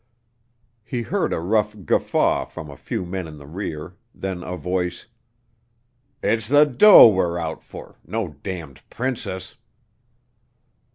He heard a rough guffaw from a few men in the rear; then a voice: "It's the dough we're out fer no damned princess."